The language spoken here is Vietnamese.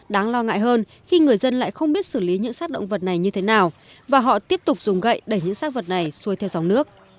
đáng lo ngại hơn khi người dân lại không biết xử lý những xác động vật này như thế nào và họ tiếp tục dùng gậy để những sát vật này xuôi theo dòng nước